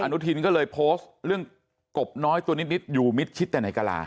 นุทินก็เลยโพสต์เรื่องกบน้อยตัวนิดอยู่มิดชิดแต่ในกะลา